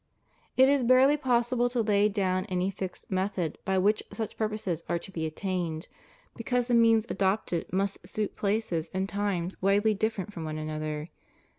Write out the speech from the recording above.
It is barely possible to lay down any fixed method by which such purposes are to be attained, because the means adopted must suit places and times widely differiug from one another.